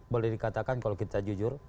boleh dikatakan kalau kita jujur